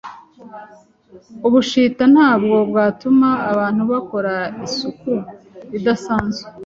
Ubushita ntabwo bwatuma abantu bakora isuku idasanzwe